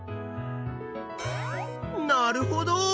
なるほど！